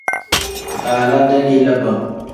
Baala dalila bam.